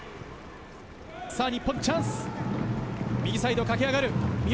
日本、チャンス。